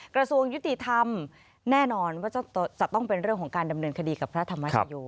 กระทรวงยุติธรรมแน่นอนว่าจะต้องเป็นเรื่องของการดำเนินคดีกับพระธรรมชโย